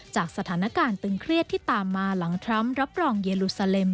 จากสถานการณ์ตึงเครียดที่ตามมาหลังทรัมป์รับรองเยลูซาเลม